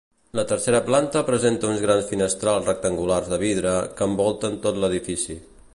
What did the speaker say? La tercera planta presenta uns grans finestrals rectangulars de vidre, que envolten tot l'edifici.